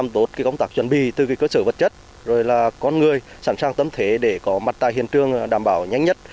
làm tốt công tác chuẩn bị từ cơ sở vật chất rồi là con người sẵn sàng tấm thể để có mặt tài hiện trường đảm bảo nhanh nhất